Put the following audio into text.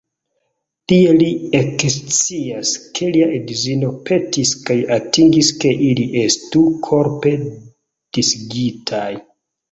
Tie li ekscias ke lia edzino petis kaj atingis ke ili estu "korpe disigitaj".